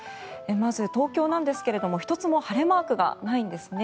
まず、東京は１つも晴れマークないんですね。